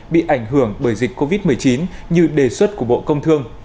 bị ảnh hưởng bởi dịch covid một mươi chín như đề xuất của bộ công thương